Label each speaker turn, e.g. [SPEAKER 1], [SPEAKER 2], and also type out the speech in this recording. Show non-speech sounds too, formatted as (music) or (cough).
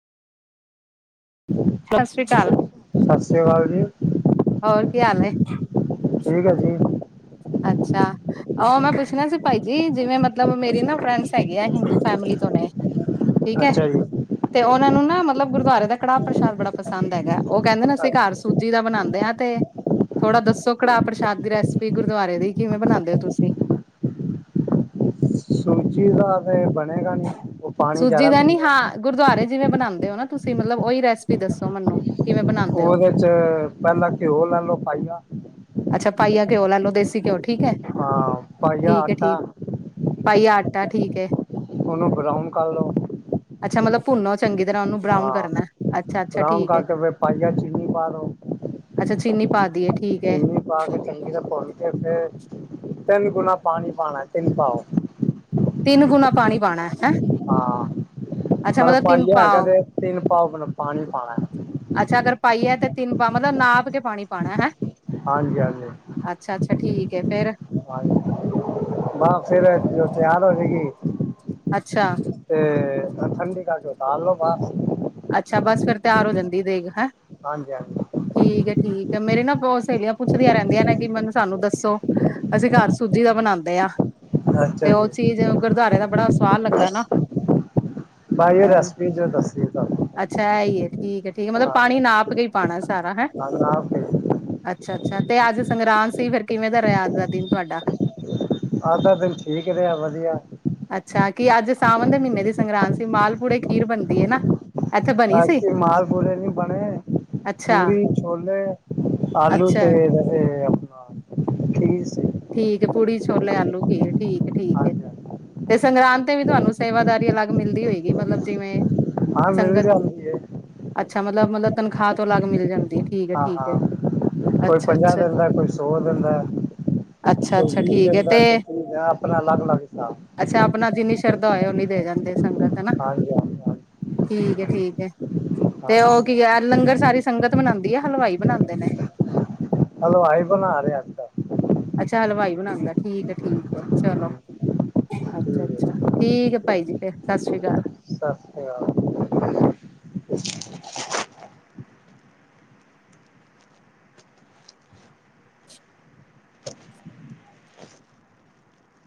[SPEAKER 1] ਸਸਰੀ ਕਾਲ
[SPEAKER 2] ਸਸਰੀਆ ਕਾਲ ਜੀ।
[SPEAKER 1] ਹੋਰ ਕੀ ਹਾਲ ਏ?
[SPEAKER 2] ਠੀਕ ਹੈ ਜੀ
[SPEAKER 1] ਅੱਛਾ ਔਹ ਮੈਂ ਪੁੱਛਣਾ ਸੀ ਭਾਈ ਜੀ ਜਿਵੇਂ ਮਤਲਬ ਮੇਰੀ ਨਾ ਫਰੈਂਡਸ ਹੈਗੇ ਆ ਹਿੰਦੂ ਫੈਮਿਲੀ ਤੋਂ ਨੇ ਠੀਕ ਹੈ
[SPEAKER 2] ਅੱਛਾ
[SPEAKER 1] ਤੇ ਉਹਨਾਂ ਨੂੰ ਨਾ ਮਤਲਬ ਗੁਰਦੁਆਰੇ ਦਾ ਕੜਾਹ ਪ੍ਰਸ਼ਾਦ ਬੜਾ ਪਸੰਦ ਹੈਗਾ ਉਹ ਕਹਿੰਦੇ ਨੇ ਅਸੀਂ ਘਰ
[SPEAKER 2] ਜੀ।
[SPEAKER 1] ਸੂਜੀ ਦਾ ਬਣਾੰਦੇ ਹਾਂ ਤੇ ਥੋੜਾ ਦੱਸੋ ਕੜਾਹ ਪ੍ਰਸ਼ਾਦ ਦੀ ਰੈਸਿਪੀ। ਗੁਰਦੁਆਰੇ ਦੀ ਕਿਵੇਂ ਬਣਾੰਦੇ ਔ ਤੁਸੀਂ
[SPEAKER 2] ਚੀਜ਼ਾ ਤੇ ਬਣੇਗਾ ਨੀ। ਪਾਣੀ
[SPEAKER 1] ਸੂਜੀ
[SPEAKER 2] ਜ਼ਿਆਦਾ
[SPEAKER 1] ਦਾ ਨੀ
[SPEAKER 2] ਪੀਂਦਾ।
[SPEAKER 1] ਹਾਂ ਗੁਰਦੁਆਰੇ ਜਿਵੇਂ ਬਣਾੰਦੇ ਹੋ ਨਾ ਤੁਸੀਂ ਮਤਲਬ ਉਹੀ ਰੈਸਪੀ ਦੱਸੋ ਮੈਨੂੰ ਕਿਵੇਂ ਬਣਾਉਂਦੇ ਹੋ
[SPEAKER 2] ਉਹਦੇ ਚ ਪਹਿਲਾਂ ਘਿਓ ਲੈ ਲਓ ਪਾਈਆਂ
[SPEAKER 1] ਅੱਛਾ ਪਾਈਆ ਘਿਓ ਲੈ ਲੋ ਦੇਸੀ ਘਿਓ ਠੀਕ ਐ,
[SPEAKER 2] ਹਾਂ ਪਾਈਆ
[SPEAKER 1] ਠੀਕ ਹੈ
[SPEAKER 2] ਆਟਾ
[SPEAKER 1] ਠੀਕ ਪਾਈਆ ਆਟਾ ਠੀਕ ਏ।
[SPEAKER 2] ਉਹਨੂੰ ਬਰਾਊਨ ਕਰ ਲਓ।
[SPEAKER 1] ਅੱਛਾ ਮਤਲਬ ਭੁੰਨੋ ਚੰਗੀ ਤਰ੍ਹਾਂ ਉਹਨੂੰ। ਬਰਾਊਨ
[SPEAKER 2] ਹਾਂ
[SPEAKER 1] ਕਰਨਾ ਅੱਛਾ-ਅੱਛਾ
[SPEAKER 2] ਬਰਾਊਨ
[SPEAKER 1] ਠੀਕ ਏ।
[SPEAKER 2] ਕਰਕੇ ਫਿਰ ਪਾਈਆ ਚੀਨੀ ਪਾ ਦੋ
[SPEAKER 1] ਅੱਛਾ ਚੀਨੀ ਪਾਦੀਏ ਠੀਕ ਐ।
[SPEAKER 2] ਚੀਨੀ ਪਾ ਕੇ ਚੰਗੀ ਦਾ ਭੁੰਨ ਕੇੇ ਫੇਰ ਤਿੰਨ ਗੁਣਾ ਪਾਣੀ ਪਾਣਾ ਤਿੰਨ ਪਾਓ।
[SPEAKER 1] ਤਿੰਨ ਗੁਣਾ ਪਾਣੀ ਪਾਣੈ।
[SPEAKER 2] ਹਾਂ, ਮਤਲਬ
[SPEAKER 1] ਤਿੰਨ
[SPEAKER 2] ਪਾਈਆ ਹੈਗਾ
[SPEAKER 1] ਪਾਓ
[SPEAKER 2] ਤੇ ਤਿੰਨ ਪਾ ਗੁਣਾ ਪਾਣੀ ਪਾਣੈ।
[SPEAKER 1] ਅੱਛਾ ਅਗਰ ਪਾਈਏ ਤੇ ਤਿੰਨ ਪਾ ਮਤਲਬ ਨਾਪ ਕੇ ਪਾਣੀ ਪਾਣੈ ਹੈ।
[SPEAKER 2] ਹਾਂਜੀ
[SPEAKER 1] ਅੱਛਾ-ਅੱਛਾ ਠੀਕ ਹੈ ਫੇਰ
[SPEAKER 2] (unintelligible) ਹਾਂ ਬਸ ਫਿਰ ਜੋ ਤਿਆਰ ਹੋ ਜੇ ਗੀ।
[SPEAKER 1] ਅੱਛਾ।
[SPEAKER 2] ਤੇ ਠੰਡੀ ਕਰਕੇ ਉਤਾਰ ਲੋ ਬਸ।
[SPEAKER 1] ਅੱਛਾ ਬਸ ਫੇਰ ਤਿਆਰ ਹੋ ਜਾਂਦੀ ਦੇਗ ਹੈਂ।
[SPEAKER 2] ਹਾਂਜੀ- ਹਾਂਜੀ
[SPEAKER 1] ਠੀਕ ਹੈ ਠੀਕ ਹੈ ਮੇਰੇ ਨਾ ਬਹੁਤ ਸਹੇਲੀਆਂ ਪੁੱਛਦੀਆਂ ਰਹਿੰਦੀਆਂ ਨੇ ਕਿ ਮੈਨੂੰ ਸਾਨੂੰ ਦੱਸੋ। ਅਸੀਂ ਘਰ ਸੂਜੀ ਦਾ ਬਣਾਦੇ ਆ।
[SPEAKER 2] ਅੱਛਾ
[SPEAKER 1] ਤੇ ਉਹ
[SPEAKER 2] ਜੀ
[SPEAKER 1] ਚੀਜ਼ ਗੁਰਦੁਆਰੇ ਦਾ ਬੜਾ ਸਵਾਦ ਲੱਗਦ ਲਗਦੈ ਅ ਨਾ।
[SPEAKER 2] ਜੈ ਦੱਸ। (inaudible)
[SPEAKER 1] ਅੱਛਾ ਇਹ ਹੀ ਠੀਕ ਹੈ ਠੀਕ ਹੈ ਮਤਲਬ ਪਾਣੀ
[SPEAKER 2] ਹਾਂਜੀ
[SPEAKER 1] ਨਾਪ ਕੇ ਹੀ ਪਾਣੈ ਸਾਰਾ ਹੈਂ।
[SPEAKER 2] ਆਪ
[SPEAKER 1] ਅੱਛਾ- ਅੱਛਾ ਤੇ ਅੱਜ ਸੰਗਰਾਂਦ ਸੀ ਫੇਰ ਕਿਵੇਂ ਦਾ ਰਿਹਾ ਅੱਜ ਦਾ ਦਿਨ ਤੁਹਾਡਾ।
[SPEAKER 2] ਅੱਜ ਦਾ ਦਿਨ ਠੀਕ ਰਿਹਾ ਵਧੀਆ।
[SPEAKER 1] ਅੱਛਾ ਕੀ ਅੱਜ ਸਾਵਣ ਦੇ ਮਹੀਨੇ ਦੀ ਸੰਗਰਾਂਦ ਸੀ ਮਾਲਪੂੜੇ ਖੀਰ ਬਣਦੀ ਹੈ ਨਾ। ਇੱਥੇ ਬਣੀ ਸੀ
[SPEAKER 2] ਐਤਕੀ ਮਾਲ ਪੂੜੇ ਨੀ ਬਣੇ
[SPEAKER 1] ਅੱਛਾ
[SPEAKER 2] ਪੂੜੀ ਛੋਲੇ ਆਲੂ
[SPEAKER 1] ਅੱਛਾ
[SPEAKER 2] ਤੇ ਬਨੇ ਆਪਣਾ ਖੀਰ ਸੀ।
[SPEAKER 1] ਠੀਕ ਪੂੜੀ, ਛੋਲੇ ਆਲੂ, ਖੀਰ ਠੀਕ ਏ ਠੀਕ ਏ।
[SPEAKER 2] ਹਾਂਜੀ ਹਾਂਜੀ
[SPEAKER 1] ਤੇ ਸੰਗਰਾਂਦ ਤੇ ਵੀ ਤੁਹਾਨੂੰ ਸੇਵਾਦਾਰੀ ਅਲੱਗ ਮਿਲਦੀ ਹੋਏਗੀ ਮਤਲਬ ਜਿਵੇਂ
[SPEAKER 2] ਹਾਂ ਮਿਲ
[SPEAKER 1] ਸੰਗਤ
[SPEAKER 2] ਜਾਂਦੀ ਏ।
[SPEAKER 1] ਅੱਛਾ ਮਤਲਬ, ਮਤਲਬ ਤਨਖਾਹ ਤੋਂ ਅਲੱਗ ਮਿਲ ਜਾਂਦੀ ਏ।
[SPEAKER 2] ਹਾਂ- ਹਾਂ ਕੋਈ ਪੰਜਾਹ ਦਿੰਦਾ ਕੋਈ ਸੋ ਸੌ ਦਿੰਦਾ
[SPEAKER 1] ਅੱਛਾ
[SPEAKER 2] ਕੋਈ
[SPEAKER 1] ਅੱਛਾ
[SPEAKER 2] ਵੀਹ
[SPEAKER 1] ਠੀਕ ਹੈ
[SPEAKER 2] ਦਿੰਦਾ
[SPEAKER 1] ਤੇ
[SPEAKER 2] ਕੋਈ ਤੀਹ ਦ ਆਪਣਾ ਅਲੱਗ ਅਲੱਗ ਹਿਸਾਬ।
[SPEAKER 1] ਅੱਛਾ ਆਪਣਾ ਜਿੰਨੀ ਸ਼ਰਧਾ ਹੋਏ ਓਨੀ ਦੇ ਜਾਂਦੇ ਸੰਗਤ। ਹਨਾ
[SPEAKER 2] ਹਾਂਜੀ ਹਾਂਜੀ ਹਾਂਜੀ
[SPEAKER 1] ਠੀਕ ਠੀਕ ਹੈ ਤੇ
[SPEAKER 2] ਹਾਂਜੀ
[SPEAKER 1] ਉਹ ਕੀ ਲੰਗਰ ਸਾਰੀ ਸੰਗਤ ਬਣਾਦੀ ਐ ਹਲਵਾਈ ਬਣਾਉਂਦੇ ਨੇ?
[SPEAKER 2] ਹਲਵਾਈ ਬਣਾ ਰਿਹਾ ਅਜ-ਕੱਲ੍ਹ।
[SPEAKER 1] ਅੱਛਾ ਹਲਵਾਈ ਬਣਾਉਂਦਾ ਠੀਕ ਹੈ ਠੀਕ ਹੈ ਚਲੋ। ਅੱਛਾ-ਅੱਛਾ ਠੀਕ ਭਾਈ ਜੀ ਫੇਰ ਸਾਤ ਸ਼੍ਰੀ ਅਕਾਲ।
[SPEAKER 2] ਸਾਤ ਸ਼੍ਰੀ ਅਕਾਲ।